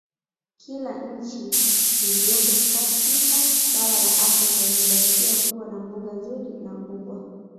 Kila nchi iliyopo katika bara la Afrika imebarikiwa kuwa na mbuga nzuri na kubwa